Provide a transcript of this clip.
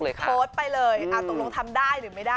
โพสต์ไปเลยตกลงทำได้หรือไม่ได้